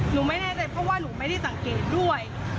หนูไม่แน่ใจเพราะว่าหนูไม่ได้สังเกตด้วย